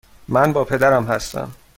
من با پدرم هستم.